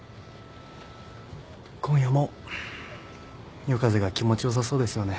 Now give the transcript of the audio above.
今夜も夜風が気持ち良さそうですよね。